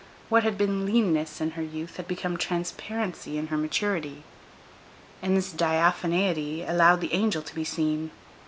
What had been leanness in her youth had become transparency in her maturity; and this diaphaneity allowed the angel to be seen.